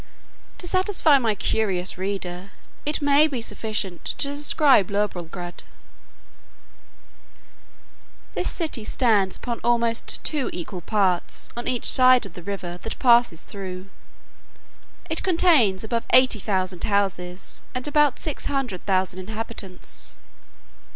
To satisfy my curious reader, it may be sufficient to describe Lorbrulgrud. This city stands upon almost two equal parts, on each side the river that passes through. It contains above eighty thousand houses, and about six hundred thousand inhabitants.